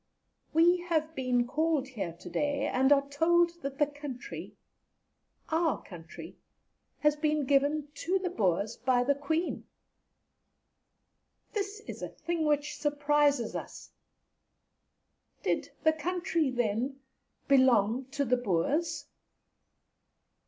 We have been called here to day, and are told that the country, our country, has been given to the Boers by the Queen. This is a thing which surprises, us. Did the country, then, belong to the Boers?